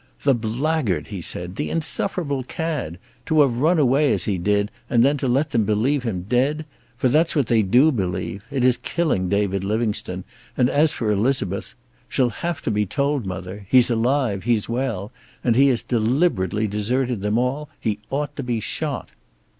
"The blackguard!" he said. "The insufferable cad! To have run away as he did, and then to let them believe him dead! For that's what they do believe. It is killing David Livingstone, and as for Elizabeth She'll have to be told, mother. He's alive. He's well. And he has deliberately deserted them all. He ought to be shot."